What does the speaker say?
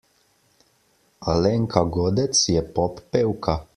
Alenka Godec je pop pevka.